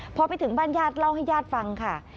พอไปถึงบ้านญาติเล่าให้ญาติฟังค่ะ